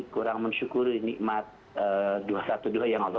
kurang mensyukuri nikmat dua ratus dua belas yang allah